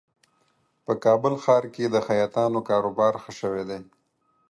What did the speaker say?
په کابل ښار کې د خیاطانو کاروبار ښه شوی دی